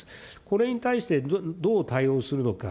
これに対して、どう対応するのか。